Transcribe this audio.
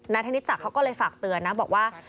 ธนิจักรเขาก็เลยฝากเตือนนะบอกว่า